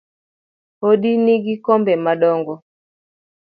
Odi nigi kombe madongo